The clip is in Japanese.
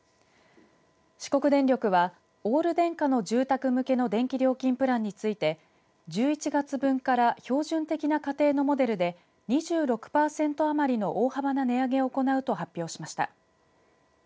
四国電力は、オール電化の住宅向けの電気料金プランについて１１月分から標準的な家庭のモデルで２６パーセント余りの大幅な値上げを行うと発表しました。